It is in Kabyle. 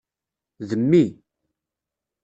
D mmi.